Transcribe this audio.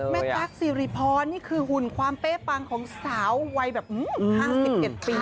แม่กราคซีริพรนี่คือหุ่นความเป้ปังของสาวไว้แบบ๕๗ปี